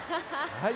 はい！